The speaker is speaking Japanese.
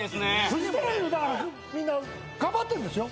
フジテレビのだからみんな頑張ってるんですよ